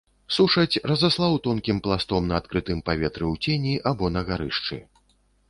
Сушаць, разаслаў тонкім пластом на адкрытым паветры ў цені або на гарышчы.